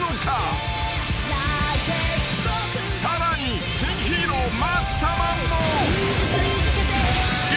［さらに新ヒーローマッサマンも］